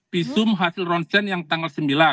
visum hasil ronsen yang tanggal sembilan